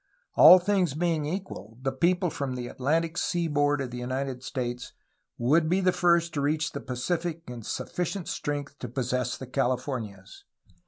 All things being equal, the people from the Atlantic seaboard of the United States would be the first to reach the Pacific in sufficient strength to possess the Californias.